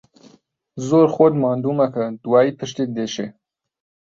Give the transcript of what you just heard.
زۆر خۆت ماندوو مەکە، دوایێ پشتت دێشێ.